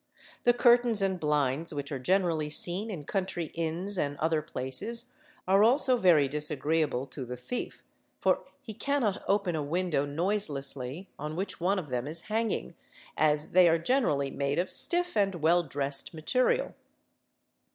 The curtains and blinds which are "generally seen in country inns and other places are also very disagree able to the thief, for he cannot open a window noiselessly on which one of them is hanging, as they are generally made of stiff and well dressed material.